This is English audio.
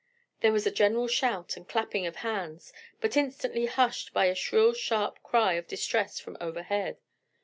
There was a general shout and clapping of hands, but instantly hushed by a shrill sharp cry of distress from overhead.